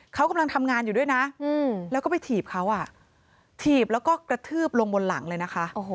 เขากำลังทำงานอยู่ด้วยนะแล้วก็ไปถีบเขาถีบแล้วก็กระทืบลงบนหลังเลยนะคะ